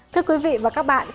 thưa quý vị và các bạn